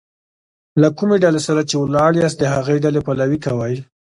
له کومي ډلي سره چي ولاړ یاست؛ د هغي ډلي پلوي کوئ!